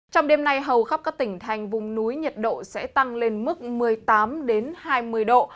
trong đêm nay hầu khắp các tỉnh thành vùng núi nhiệt độ sẽ tăng lên mức một mươi tám hai mươi độ